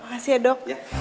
makasih ya dok